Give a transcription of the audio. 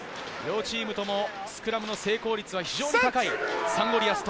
両チームともスクラムの成功率は非常に高い。